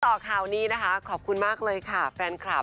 ข่าวนี้นะคะขอบคุณมากเลยค่ะแฟนคลับ